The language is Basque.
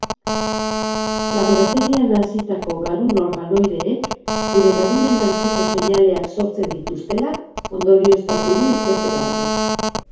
Laborategian hazitako garun-organoideek gure garunen antzeko seinaleak sortzen dituztela ondorioztatu du ikerketa batek.